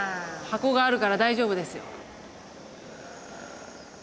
箱があるから大丈夫ですよ。